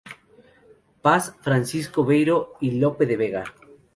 Paz, Francisco Beiró, y Lope de Vega.